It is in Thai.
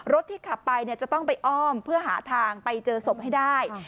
ที่ขับไปจะต้องไปอ้อมเพื่อหาทางไปเจอศพให้ได้